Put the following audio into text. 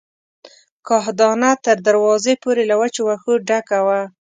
کاه دانه تر دروازې پورې له وچو وښو ډکه وه.